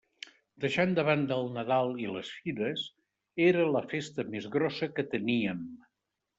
Deixant de banda el Nadal i les Fires, era la festa més grossa que teníem.